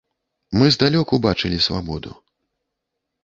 Мы здалёк убачылі свабоду.